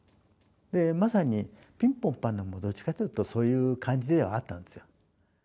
まさに「ピンポンパン」でもどっちかって言うとそういう感じではあったんですよ。